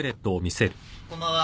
こんばんは。